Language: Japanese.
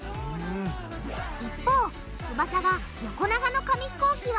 一方翼が横長の紙ひこうきは